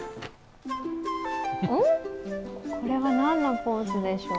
これは何のポーズでしょう？